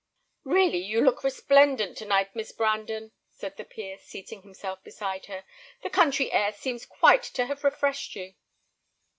"Really, you look resplendent to night, Miss Brandon," said the peer, seating himself beside her. "The country air seems quite to have refreshed you."